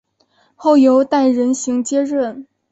后由戴仁行接任。